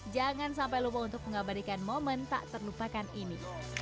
jangan sampai lupa untuk mengabadikan momen tak terlupakan ini